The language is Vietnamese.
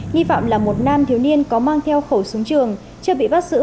nhi vọng là một nam thiếu niên có mang theo khẩu súng trường chưa bị bắt giữ